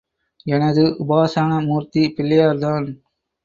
எனது உபாசனா மூர்த்தி பிள்ளையார்தான்.